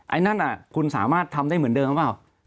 ไอ้นั่นคุณสามารถทำได้เหมือนเดิมหรือเปล่า